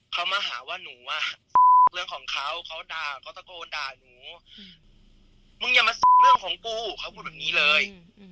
เขามาหาว่าหนูอ่ะเรื่องของเขาเขาด่าเขาตะโกนด่าหนูมึงอย่ามาเรื่องของกูเขาพูดแบบนี้เลย